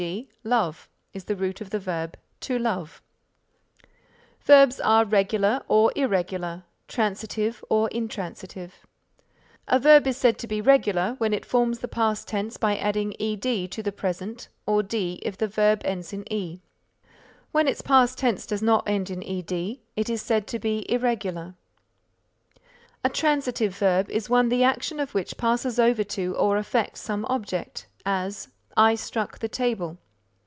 g. love_ is the root of the verb, "To Love." Verbs are regular or irregular, transitive or intransitive. A verb is said to be regular when it forms the past tense by adding ed to the present or d if the verb ends in e. When its past tense does not end in ed it is said to be irregular. A transitive verb is one the action of which passes over to or affects some object; as "I struck the table."